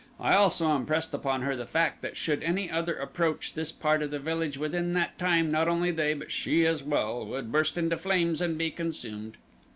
I also impressed upon her the fact that should any other approach this part of the village within that time not only they, but she as well, would burst into flames and be consumed.